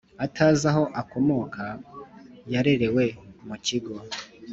Atazi aho akomoka yarerewe mu kigo